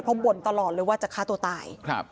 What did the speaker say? เพราะบ่นตลอดเลยว่าจะฆ่าตัวตาย